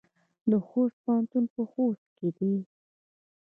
د خوست پوهنتون په خوست کې دی